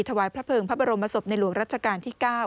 ถวายพระเภิงพระบรมศพในหลวงรัชกาลที่๙